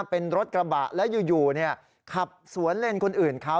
เป็นรถกระบะแล้วอยู่ขับสวนเล่นคนอื่นเขา